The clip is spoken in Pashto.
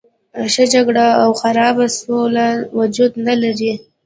ښه جګړه او خرابه سوله وجود نه لري.